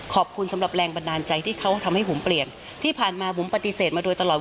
สำหรับแรงบันดาลใจที่เขาทำให้ผมเปลี่ยนที่ผ่านมาผมปฏิเสธมาโดยตลอด